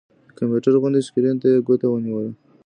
د کمپيوټر غوندې سکرين ته يې ګوته ونيوله